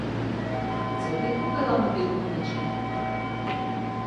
Це ти купила нові рукавички?